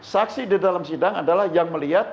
saksi di dalam sidang adalah yang melihat